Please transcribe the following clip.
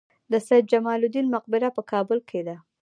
د سید جمال الدین مقبره په کابل کې ده